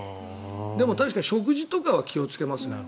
でも確かに食事とかは気をつけます。